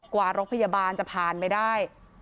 รถพยาบาลจะผ่านไปได้